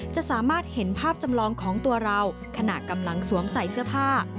จะสามารถเห็นภาพจำลองของตัวเราขณะกำลังสวมใส่เสื้อผ้า